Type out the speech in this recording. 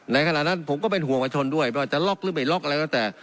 ในขณะนั้นผมก็เป็นห่วงประชนด้วยไม่ว่าจะล็อกหรือไม่ล็อกอะไรก็แต่